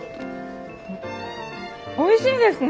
おいしいですね！